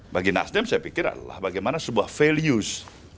bagi nasdem saya pikir adalah bagaimana sebuah values